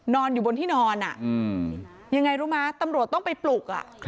นอนอยู่บนที่นอนยังไงรู้มั้ยตำรวจต้องไปปลุก